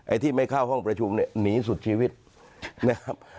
ที่ไม่เข้าห้องประชุมเนี่ยหนีสุดชีวิตนะครับ